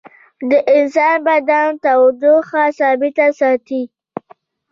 د انسان بدن تودوخه ثابته ساتي